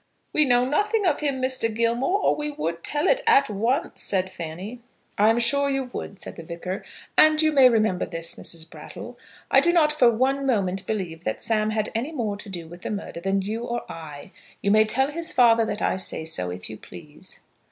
"We know nothing of him, Mr. Gilmore, or we would tell at once," said Fanny. "I'm sure you would," said the Vicar. "And you may remember this, Mrs. Brattle; I do not for one moment believe that Sam had any more to do with the murder than you or I. You may tell his father that I say so, if you please."